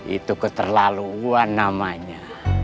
itu keterlaluan namanya